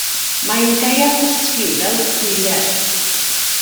Mae'n gaeafgysgu fel chwiler.